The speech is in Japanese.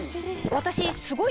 私。